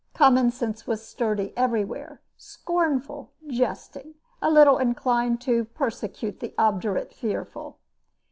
Common sense was sturdy everywhere, scornful, jesting, a little inclined to persecute the obdurate fearful.